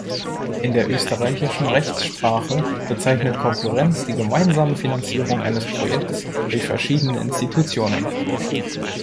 In der österreichischen Rechtssprache bezeichnet Konkurrenz die gemeinsame Finanzierung eines Projektes durch verschiedene Institutionen.